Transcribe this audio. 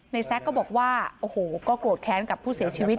แซ็กก็บอกว่าโอ้โหก็โกรธแค้นกับผู้เสียชีวิต